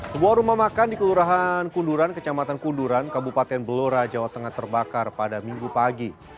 sebuah rumah makan di kelurahan kunduran kecamatan kunduran kabupaten belora jawa tengah terbakar pada minggu pagi